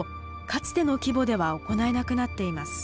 かつての規模では行えなくなっています。